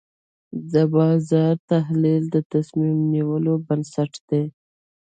د بازار تحلیل د تصمیم نیولو بنسټ دی.